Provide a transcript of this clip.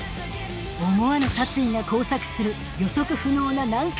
思わぬ殺意が交錯する予測不能な難解